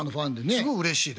すごいうれしいですよね。